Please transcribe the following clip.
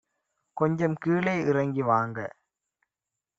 கொஞ்சம் கீழே இறங்கி வாங்க